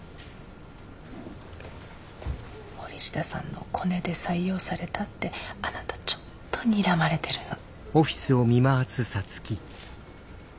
森下さんのコネで採用されたってあなたちょっとにらまれてるの。